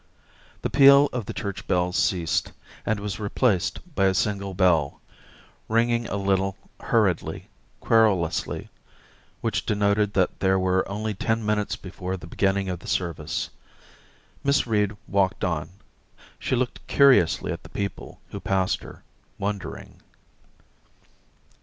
... 219 2 20 Orientations The peal of the church bells ceased, and was replaced by a single bell, ringing a little hurriedly, querulously, which denoted that there were only ten minutes before the beginning of the service. Miss Reed walked on ; she looked curiously at the people who passed her, wondering.